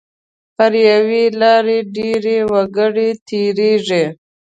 پر یوې لارې ډېر وګړي تېریږي.